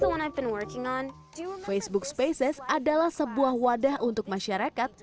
apakah anda ingin mengingatkan spaces sebagai wadah untuk masyarakat